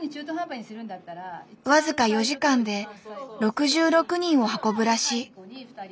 僅か４時間で６６人を運ぶらしい。